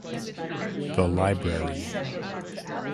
The Library.